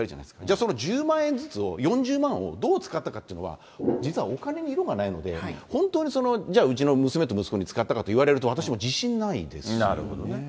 その１０万円ずつを４０万円をどう使ったかっていうのは、実はお金に色がないので、本当にじゃあ、うちの娘と息子に使ったかといわれると、私も自信ないですよね。